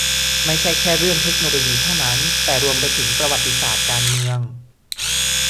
ไม่ใช่แค่เรื่องเทคโนโลยีเท่านั้น แต่รวมไปถึงประวัติศาสตร์ การเมือง